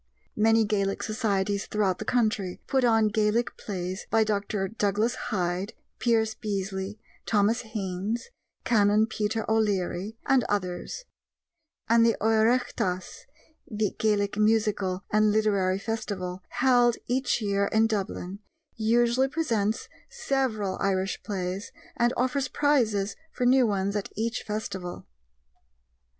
Many Gaelic societies throughout the country put on Gaelic plays by Dr. Douglas Hyde, Pierce Beasley, Thomas Haynes, Canon Peter O'Leary, and others; and the Oireachtas (the Gaelic musical and literary festival) held each year in Dublin usually presents several Irish plays and offers prizes for new ones at each festival.